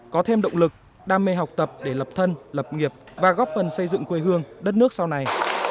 có thêm động lực đam mê học tập để lập thân lập nghiệp và góp phần xây dựng quê hương đất nước sau này